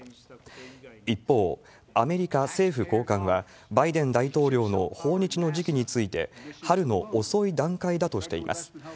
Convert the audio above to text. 一方、アメリカ政府高官は、バイデン大統領の訪日の時期について、春の遅い段階だとしています。